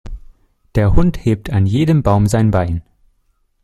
Der Hund hebt an jedem Baum sein Bein.